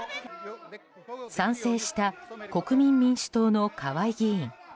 賛成した国民民主党の川合議員。